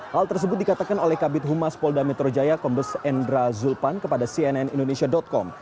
hal tersebut dikatakan oleh kabit humas polda metro jaya kombes endra zulpan kepada cnn indonesia com